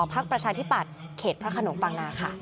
ประชาธิปัตย์เขตพระขนงปางนาค่ะ